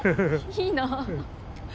いいな。